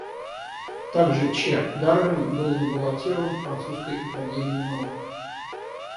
Также Ч. Дарвин был забаллотирован французской Академией наук.